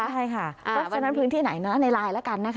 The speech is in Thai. ใช่ค่ะเพราะฉะนั้นพื้นที่ไหนในไลน์แล้วกันนะคะ